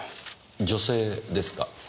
女性ですか。